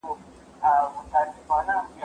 ما پرون د سبا لپاره د کور دندې بشپړ وکړ!!